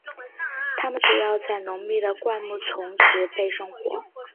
它们主要在浓密的灌木丛植被生活。